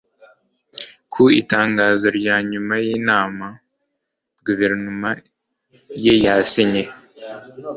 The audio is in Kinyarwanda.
ku itangazo rya nyuma y'inama guverinoma ye yasinye